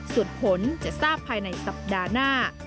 ส่วนผลจะทราบภายในสัปดาห์หน้า